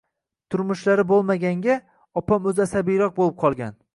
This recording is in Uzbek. Turmushlari bo`lmaganga, opam o`zi asabiyroq bo`lib qolgan